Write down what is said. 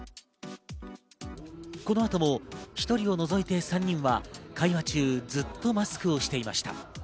この後も１人を除いて３人は会話中ずっとマスクをしていました。